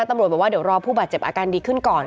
ตำรวจบอกว่าเดี๋ยวรอผู้บาดเจ็บอาการดีขึ้นก่อน